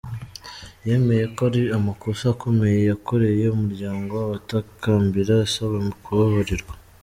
Yemeye ko ari amakosa akomeye yakoreye umuryango abatakambira asaba kubabarirwa.